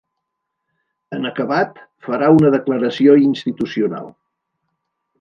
En acabat, farà una declaració institucional.